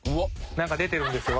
なんか出てるんですよ。